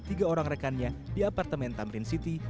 tiga orang rekannya di apartemen tamrin city